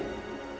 pak bobi pak